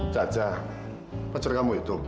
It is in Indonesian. caca pacar kamu itu